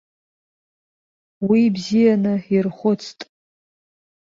Уи бзианы ирхәыцт.